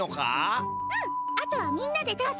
あとはみんなでどうぞ。